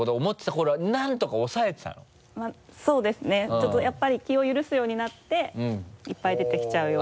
ちょっとやっぱり気を許すようになっていっぱい出てきちゃうように。